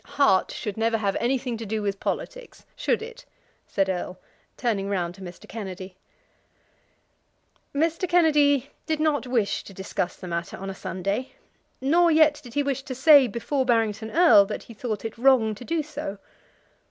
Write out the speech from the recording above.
"Heart should never have anything to do with politics; should it?" said Erle, turning round to Mr. Kennedy. Mr. Kennedy did not wish to discuss the matter on a Sunday, nor yet did he wish to say before Barrington Erle that he thought it wrong to do so.